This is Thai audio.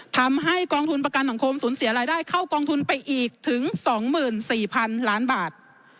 ทำให้กองทุนประกันสังคมสูญเสียรายได้เข้ากองทุนไปอีกถึง๒๔๐๐๐ล้านบาท